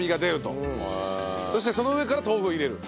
そしてその上から豆腐を入れる。